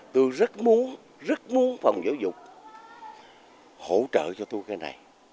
tôi rất muốn rất muốn phòng giáo dục hỗ trợ cho tôi cái này